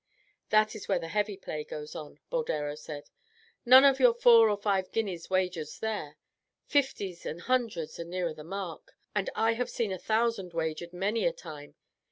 "That is where the heavy play goes on," Boldero said. "None of your four or five guineas wagers there, fifties and hundreds are nearer the mark, and I have seen a thousand wagered many a time.